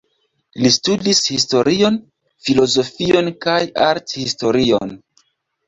Li studis historion, filozofion kaj arthistorion.